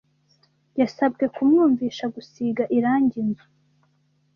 Yasabwe kumwumvisha gusiga irangi inzu.